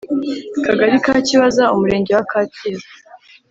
Kagari ka Kibaza Umurenge wa Kacyiru